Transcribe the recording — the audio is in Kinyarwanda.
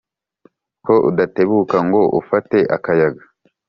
ko udatebuka ngo ufate akayaga